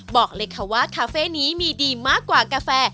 บอกเลยค่ะว่าคาเฟ่นี้มีดีมากกว่ากาแฟ